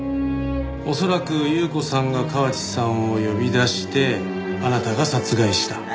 恐らく優子さんが河内さんを呼び出してあなたが殺害した。